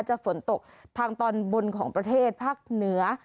ฝนตกทางตอนบนของประเทศภาคเหนือ